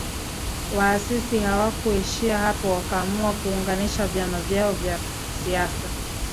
Waasisi hawakuishia hapo wakaamua kuunganisha vyama vyao vya siasa